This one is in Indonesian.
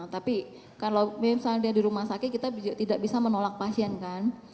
tapi kalau misalnya dia di rumah sakit kita tidak bisa menolak pasien kan